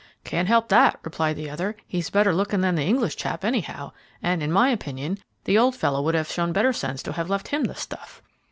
"Can't help that," replied the other; "he's better looking than the English chap, anyhow; and, in my opinion, the old fellow would have shown better sense to have left him the 'stuff.'"